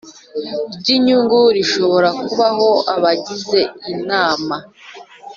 ry inyungu rishobora kubaho abagize Inama